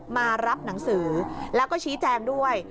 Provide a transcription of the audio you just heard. มารับหนังสือแล้วก็ชี้แจงด้วย